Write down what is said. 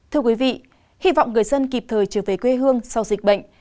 thưa quý vị hy vọng người dân kịp thời trở về quê hương sau dịch bệnh